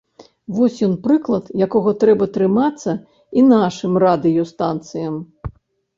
Вось ён прыклад, якога трэба трымацца і нашым радыёстанцыям.